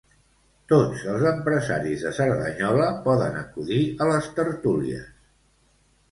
Tots els empresaris de Cerdanyola poden acudir a les tertúlies.